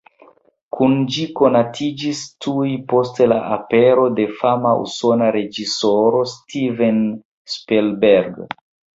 Kun ĝi konatiĝis tuj post la apero la fama usona reĝisoro Steven Spielberg.